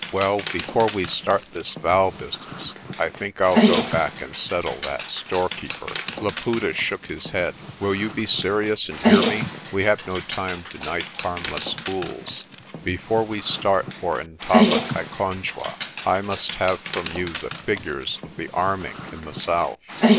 "Well, before we start this vow business, I think I'll go back and settle that storekeeper." 122 PRESTER JOHN Laputa shook his head. "Will you be serious and hear me? We have no time to knife harmless fools. Before we start for Ntabakaikonjwa I must have from you the fig ures of the arming in the south.